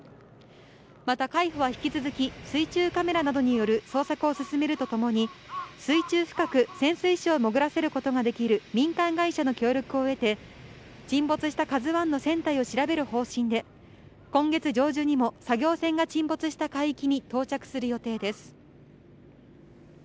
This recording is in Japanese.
また海保は引き続き、水中カメラなどによる捜索を進めるとともに、水中深く潜水士を潜らせることができる、民間会社の協力を得て、沈没したカズワンの船体を調べる方針で、今月上旬にも作業船が沈没した海域に到着する予定です。